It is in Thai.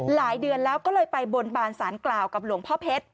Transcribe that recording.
หลายเดือนแล้วก็เลยไปบนบานสารกล่าวกับหลวงพ่อเพชร